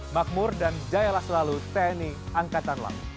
makmur dan jayalah selalu tni angkatan laut